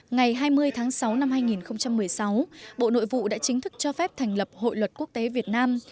ngày hai mươi tháng sáu năm hai nghìn một mươi sáu bộ nội vụ đã chính thức cho phép thành lập hội luật quốc tế việt nam